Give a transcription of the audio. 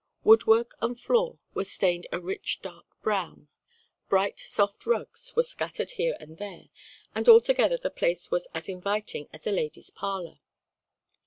Woodwork and floor were stained a rich dark brown, bright soft rugs were scattered here and there; and altogether the place was as inviting as a lady's parlor.